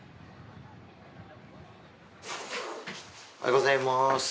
おはようございます。